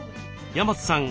山津さん